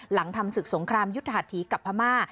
หลังทำศึกสงครามยุทธหัสถีกับพม่า